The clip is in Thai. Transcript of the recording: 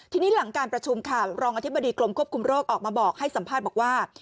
ทีนี้หลังการประชุมค่ะรองอธิบดีกรมควบคุมโรคออกมาบอกให้สัมภาษณ์บอกว่า